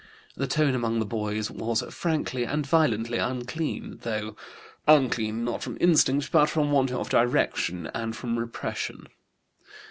The tone among the boys was frankly and violently unclean, though unclean not from instinct, but from want of direction and from repression.